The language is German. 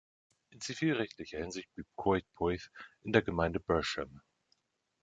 In zivilrechtlicher Hinsicht blieb Coedpoeth in der Gemeinde Bersham.